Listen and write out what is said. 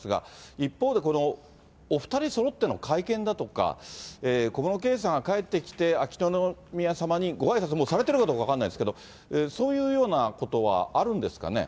一方で、このお２人そろっての会見だとか、小室圭さんが帰ってきて、秋篠宮さまにごあいさつ、もうされてるかどうか分かりませんけれども、そういうようなことはあるんですかね？